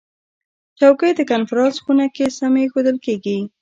چوکۍ د کنفرانس خونه کې سمې ایښودل کېږي.